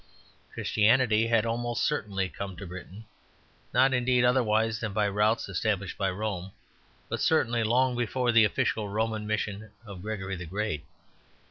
Christianity had almost certainly come to Britain, not indeed otherwise than by the routes established by Rome, but certainly long before the official Roman mission of Gregory the Great.